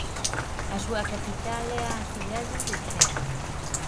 A súa capital é a cidade de Teramo.